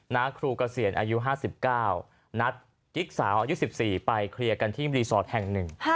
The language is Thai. ครูเกษียณอายุ๕๙นัดกิ๊กสาวอายุ๑๔ไปเคลียร์กันที่รีสอร์ทแห่งหนึ่ง